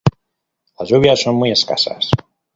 Las lluvias son muy escasas.